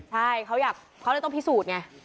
ใช่เขาอยากเขาเลยต้องพิสูจน์ไง